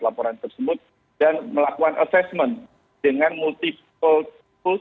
laporan tersebut dan melakukan assessment dengan multiple tools dan multiple methods